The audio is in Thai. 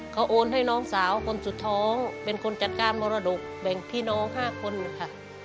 เขาโอนให้น้องสาวคนสุดท้องเป็นคนจัดการมรดกแบ่งพี่น้อง๕คนค่ะ